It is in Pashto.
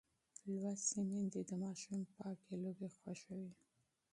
لوستې میندې د ماشوم پاکې لوبې خوښوي.